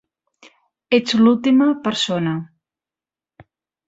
Ets l'última persona.